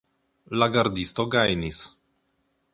La gardisto gajnis.